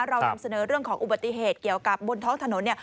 เรานำเสนอเรื่องของอุบัติเหตุเกี่ยวกับบนท้องถนนเนี่ย